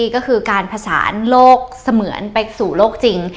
ก็คือการผสานโลกเสมือนไปสู่โลกจริง